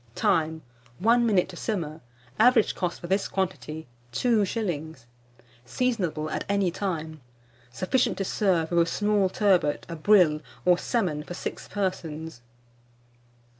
Time. 1 minute to simmer. Average cost, for this quantity, 2s. Seasonable at any time. Sufficient to serve with a small turbot, a brill, or salmon for 6 persons.